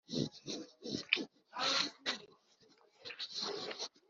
Ingingo ya Isuku y ahakorerwa akazi